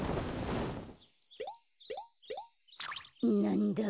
なんだ？